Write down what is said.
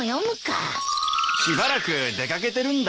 しばらく出掛けてるんだ。